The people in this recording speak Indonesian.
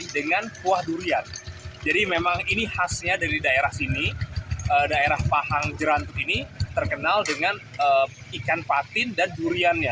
dengan kuah durian jadi memang ini khasnya dari daerah sini daerah pahang jerantu ini terkenal dengan ikan patin dan duriannya